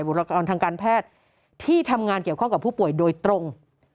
รกรทางการแพทย์ที่ทำงานเกี่ยวข้องกับผู้ป่วยโดยตรง